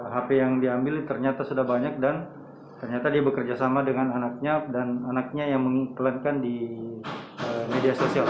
hp yang diambil ternyata sudah banyak dan ternyata dia bekerja sama dengan anaknya dan anaknya yang mengiklankan di media sosial